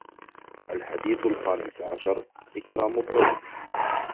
الحديث الخامس عشر: إكرام الضيف